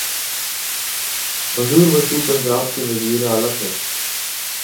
منظور وٹو پنجاب کے وزیر اعلی تھے۔